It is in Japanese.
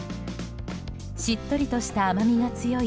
しっとりとした甘みが強い